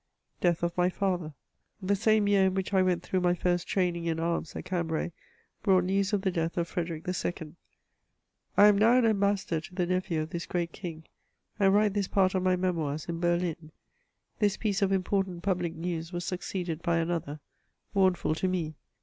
DAATH OF MY FATHER. The same year in which I went through my first training in arms at Cambray, brought news of the death of Frede rick II. I am now an Ambassador to the nephew of this great King, and write this part of my Memoirs in BerHn. This piece of important public news was succeeded by another, mournful to me.